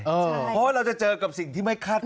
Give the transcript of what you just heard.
เพราะว่าเราจะเจอกับสิ่งที่ไม่คาด